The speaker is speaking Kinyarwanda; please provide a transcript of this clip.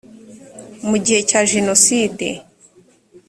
mu gihe cya jenoside